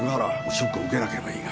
ショックを受けなければいいが。